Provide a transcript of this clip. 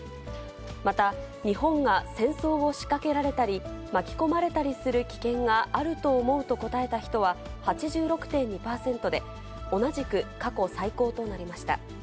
また、日本が戦争を仕掛けられたり、巻き込まれたりする危険があると思うと答えた人は８６．２％で、同じく過去最高となりました。